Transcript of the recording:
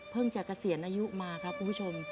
จะเกษียณอายุมาครับคุณผู้ชม